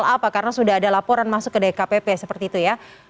apa karena sudah ada laporan masuk ke dkpp seperti itu ya